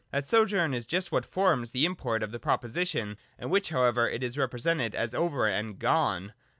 That sojourn is just what forms the import of the proposition, in which however it is represented as over and gone.